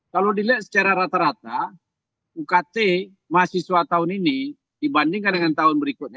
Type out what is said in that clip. kalau dilihat secara rata rata ukt mahasiswa tahun ini dibandingkan dengan tahun berikutnya